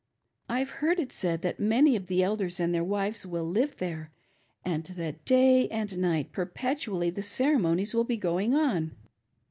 I've heard it said that many of the Elders and their wives will live there, and that day and night perpet ually the ceremonies will be going on.